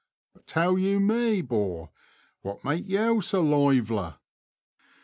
But tell yow me, 'bor, what make yow so livela?" A.